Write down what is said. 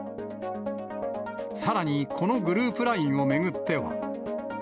さらにこのグループＬＩＮＥを巡っては。